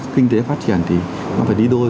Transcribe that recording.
kinh tế phát triển thì nó phải đi đôi